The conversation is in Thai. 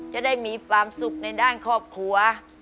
จะได้มีความสุขในด้านครอบครัว